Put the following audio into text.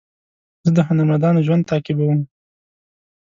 زه د هنرمندانو ژوند تعقیبوم.